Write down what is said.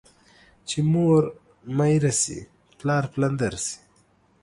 چي مور ميره سي ، پلار پلندر سي.